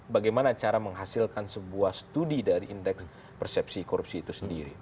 bagaimana cara menghasilkan sebuah studi dari indeks persepsi korupsi itu sendiri